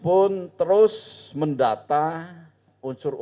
untuk menghasilkan keuntungan